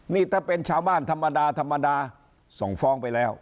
นี่ถ้าเป็นชาวบ้านธรรมดาธรรมดาส่งฟ้องไปแล้ว